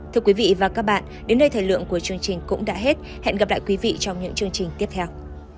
thưa quý vị và các bạn đến đây thời lượng của chương trình cũng đã hết hẹn gặp lại quý vị trong những chương trình tiếp theo